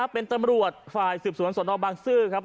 เป็นตำรวจฝ่ายสืบสวนสนบางซื่อครับ